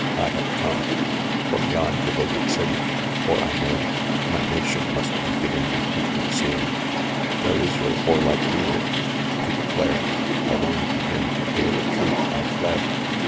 I hare come From yon devoted city, for I know My nation must be given yon to consume. " Where is your warlike leader ? To declare Alone Jo him a tale of truth, I fled.